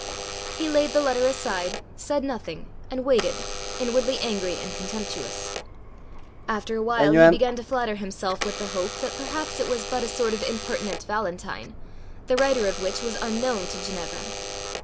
He laid the letter aside, said nothing, and waited, inwardly angry and contemptuous. After a while he began to flatter himself with the hope that perhaps it was but a sort of impertinent valentine, the writer of which was unknown to Ginevra.